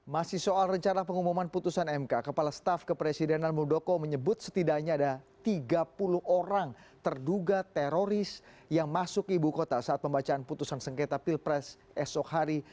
masih soal rencana pengumuman putusan mk kepala staf kepresidenan muldoko menyebut setidaknya ada tiga puluh orang terduga teroris yang masuk ibu kota saat pembacaan putusan sengketa pilpres esok hari